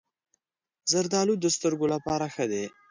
زردالو د سترګو لپاره ښه دي.